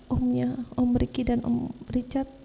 omnya om riki dan om richard